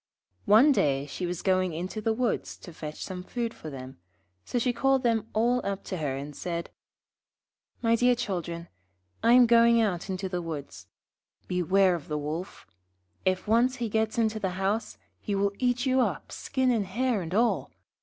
One day she was going into the woods to fetch some food for them, so she called them all up to her, and said 'My dear children, I am going out into the woods. Beware of the Wolf! If once he gets into the house, he will eat you up, skin, and hair, and all.